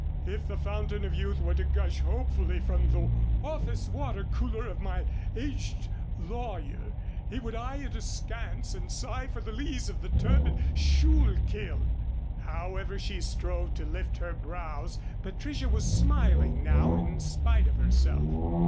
If the Fountain of Youth were to gush hopefully from the office water cooler of my aged lawyer, he would eye it askance and sigh for the lees of the turbid Schuylkill." However she strove to lift her brows, Patricia was smiling now in spite of herself.